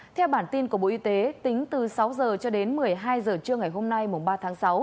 theo bản tin của bộ y tế tính từ sáu h cho đến một mươi hai h trưa ngày hôm nay mùng ba tháng sáu